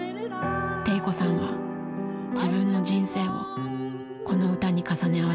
悌子さんは自分の人生をこの歌に重ね合わせていた。